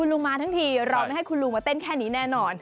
ลุงมาทั้งทีเราไม่ให้คุณลุงมาเต้นแค่นี้แน่นอน